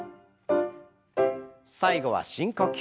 最後は深呼吸。